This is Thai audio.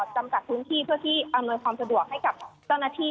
จำกัดพื้นที่เพื่อที่อำนวยความสะดวกให้กับเจ้าหน้าที่